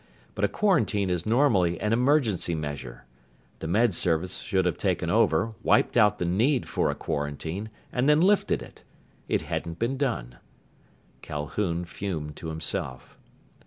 But a quarantine is normally an emergency measure. The Med Service should have taken over, wiped out the need for a quarantine, and then lifted it. It hadn't been done. Calhoun fumed to himself.